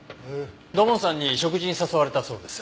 土門さんに食事に誘われたそうです。